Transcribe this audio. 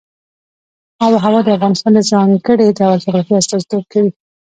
آب وهوا د افغانستان د ځانګړي ډول جغرافیه استازیتوب کوي.